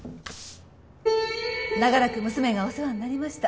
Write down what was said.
長らく娘がお世話になりました。